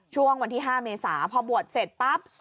ช่วงวันที่๕เมษาพอบวชเสร็จปั๊บ